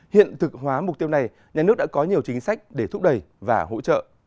hiện thực hóa mục tiêu này nhà nước đã có nhiều chính sách để thúc đẩy và hỗ trợ